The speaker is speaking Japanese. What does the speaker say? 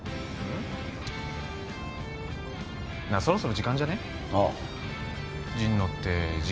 そろそろ時間じゃねえ？